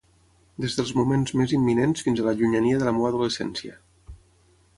Des dels moments més imminents fins a la llunyania de la meua adolescència.